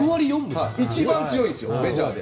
一番強いんです、メジャーで。